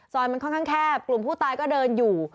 มันค่อนข้างแคบกลุ่มผู้ตายก็เดินอยู่